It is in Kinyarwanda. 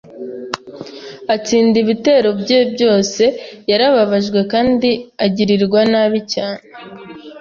atsinda ibitero bye byose. Yarababajwe kandi agirirwa nabi cyane